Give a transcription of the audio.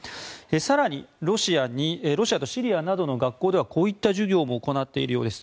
更にロシアとシリアなどの学校ではこういった授業も行っているようです。